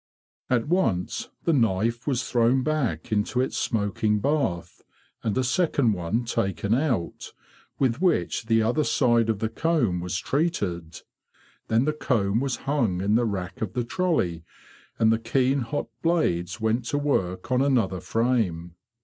At 62 THE BEE MASTER OF WARRILOW once the knife was thrown back into its smoking bath, and a second one taken out, with which the other side of the comb was treated. Then the comb was hung in the rack of the trolley, and the keen hot blades went to work on another frame.